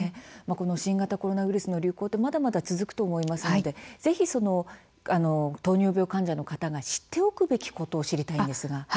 新型コロナウイルスの流行はまだまだ続くと思いますので、ぜひ糖尿病患者の方が知っておくべきことを知りたいんですが。